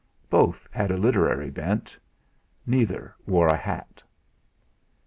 Both had a literary bent; neither wore a hat.